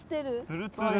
ツルツル。